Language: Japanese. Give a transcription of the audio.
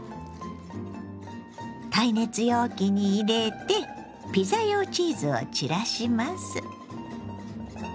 耐熱容器に入れてピザ用チーズを散らします。